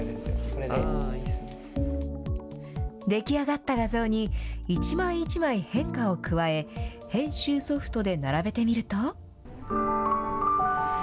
出来上がった画像に、一枚一枚変化を加え、編集ソフトで並べてみると。